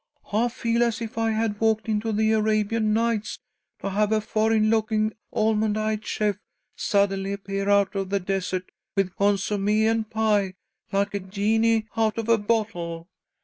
I feel as if I had walked into the Arabian nights, to have a foreign looking, almond eyed chef suddenly appear out of the desert with consommé and pie, like a genie out of a bottle."